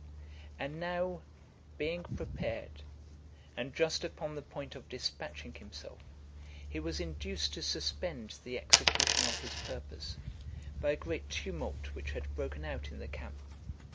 XI. And now being prepared, and just upon the point of dispatching himself, he was induced to suspend the execution of his purpose by a great tumult which had broken out in the camp.